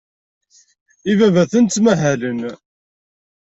Ibabaten ttmahalen.